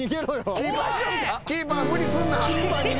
キーパー無理すんな。